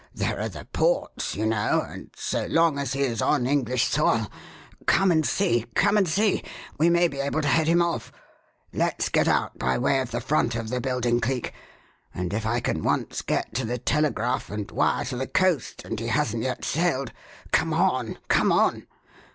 There are the ports, you know; and so long as he is on English soil Come and see! Come and see! We may be able to head him off. Let's get out by way of the front of the building, Cleek, and if I can once get to the telegraph and wire to the coast and he hasn't yet sailed Come on! come on!